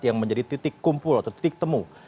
yang menjadi titik kumpul atau titik temu